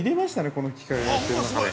この機械がやっている中で。